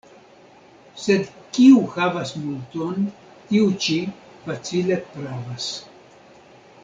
Sed kiu havas multon, tiu ĉi facile pravas.